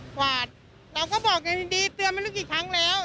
กวาดเราก็บอกไงยินดีเตือนไม่รู้กี่ครั้งแล้ว